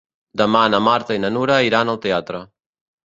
Demà na Marta i na Nura iran al teatre.